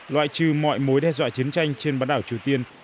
loại trừ mọi mối đe dọa chiến tranh trên bán đảo triều tiên